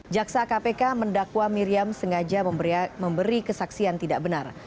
jaksa kpk mendakwa miriam sengaja memberi kesaksian tidak benar